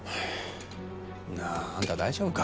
なああんた大丈夫か？